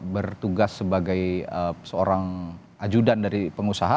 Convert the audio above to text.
bertugas sebagai seorang ajudan dari pengusaha